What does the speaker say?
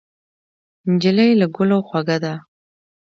نجلۍ له ګلو خوږه ده.